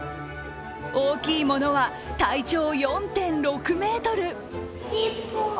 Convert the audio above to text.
大きいものは体長４．６ｍ！